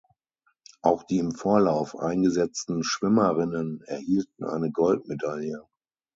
Auch die im Vorlauf eingesetzten Schwimmerinnen erhielten eine Goldmedaille.